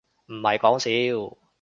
唔係講笑